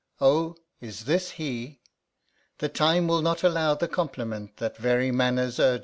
O, is this he? The time will not allow the compliment That very manners urges.